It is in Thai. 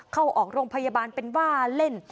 เข้าออกโรงพยาบาลเป็นว่าเล่น